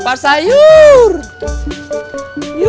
kebanyakan t cristo